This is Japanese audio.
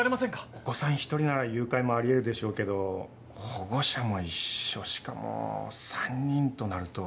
お子さん１人なら誘拐もあり得るでしょうけど保護者も一緒しかも３人となると。